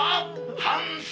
反省。